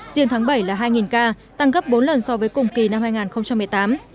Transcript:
riêng tháng bảy là hai ca tăng gấp bốn lần so với cùng kỳ năm hai nghìn một mươi tám